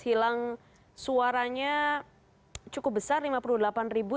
hilang suaranya cukup besar lima puluh delapan ribu